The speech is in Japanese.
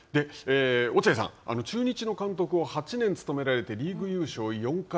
落合さん、中日の監督を８年務められて、リーグ優勝４回。